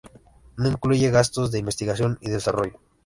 No incluye gastos de investigación y desarrollo.